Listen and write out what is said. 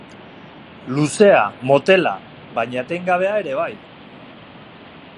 Luzea, motela, baina etengabea ere bai.